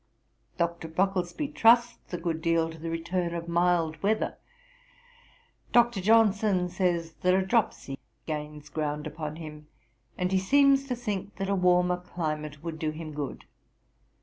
Dr. Brocklesby trusts a good deal to the return of mild weather. Dr. Johnson says, that a dropsy gains ground upon him; and he seems to think that a warmer climate would do him good.